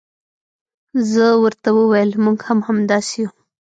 زه ورته وویل موږ هم همداسې یو.